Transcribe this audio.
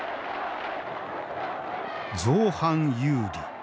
「造反有理。